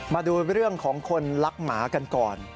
มาดูเรื่องของคนรักหมากันก่อน